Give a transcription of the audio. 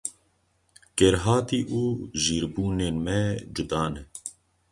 Kêrhatî û jîrbûnên me cuda ne.